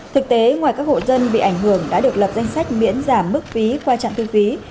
thực tế ngoài các hộ dân bị ảnh hưởng đã được lập danh sách miễn giảm mức phí qua trạm thu phí